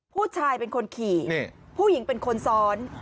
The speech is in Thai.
ผู้ชายเป็นคนขี่ผู้หญิงเป็นคนซ้อน